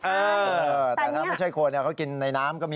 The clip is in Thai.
เออแต่ถ้าไม่ใช่คนเขากินในน้ำก็มี